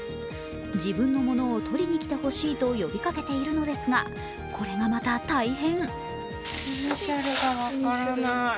自分のものを取りにきてほしいと呼びかけているのですが、これがまた大変。